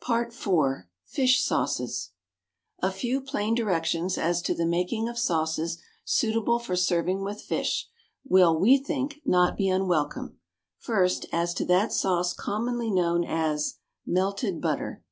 PART IV. FISH SAUCES. A few plain directions as to the making of sauces suitable for serving with fish, will, we think, not be unwelcome. First as to that sauce commonly known as =Melted Butter.